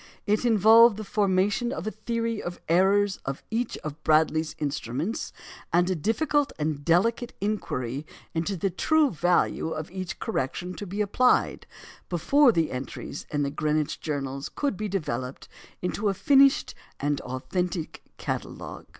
It involved the formation of a theory of the errors of each of Bradley's instruments, and a difficult and delicate inquiry into the true value of each correction to be applied, before the entries in the Greenwich journals could be developed into a finished and authentic catalogue.